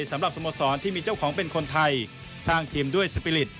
สำหรับสโมสรที่มีเจ้าของเป็นคนไทยสร้างทีมด้วยสปีริต